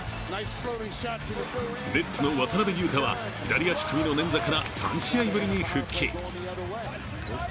ネッツの渡邊雄太は左足首の捻挫から３試合ぶりに復帰。